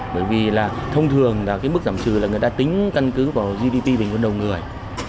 bởi vì là thông thường là cái mức giảm trừ là người ta tính căn cứ vào gdp bình quân đầu người